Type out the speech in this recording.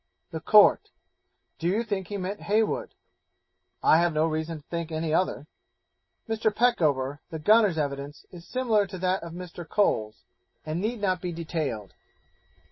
The Court 'Do you think he meant Heywood?' 'I have no reason to think any other.' Mr. Peckover the gunner's evidence is similar to that of Mr. Cole's, and need not be detailed.